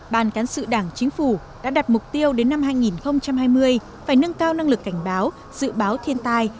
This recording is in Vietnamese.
ban cán sự đảng chính phủ đã đặt mục tiêu đến năm hai nghìn hai mươi phải nâng cao năng lực cảnh báo dự báo thiên tai